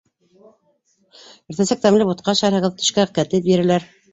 Иртәнсәк тәмле бутҡа ашарһығыҙ, төшкә кәтлит бирәләр.